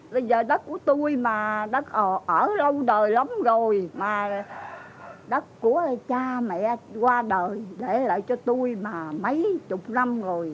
bây giờ đất của tôi mà đất ở lâu đời lắm rồi mà đất của cha mẹ qua đời để lại cho tôi mà mấy chục năm rồi